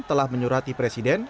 telah menyuruh hati presiden